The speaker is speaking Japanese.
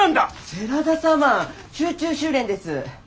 世良田様集中修練です。